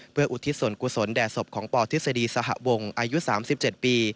เพื่ออุทิศส่วนกุศลแด่ศพของปทฤษฎีสหวงอายุ๓๗ปี